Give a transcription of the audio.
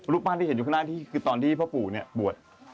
บ้านที่เห็นอยู่ข้างหน้าที่คือตอนที่พ่อปู่เนี่ยบวช